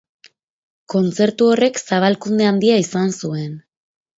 Kontzertu horrek zabalkunde handia izan zuen.